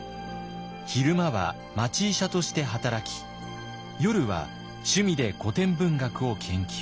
昼間は町医者として働き夜は趣味で古典文学を研究。